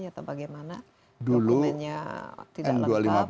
atau bagaimana dokumennya tidak lengkap